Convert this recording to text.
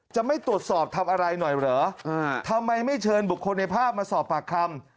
จะไม่ตรวจสอบทำอะไรหน่อยเหรอทำไมไม่เชิญบุคคลในภาพมาสอบปากคำ